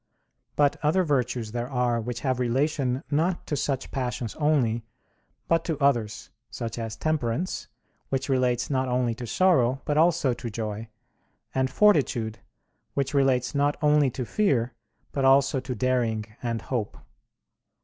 But other virtues there are which have relation not to such passions only, but to others; such as temperance, which relates not only to sorrow, but also to joy; and fortitude, which relates not only to fear, but also to daring and hope.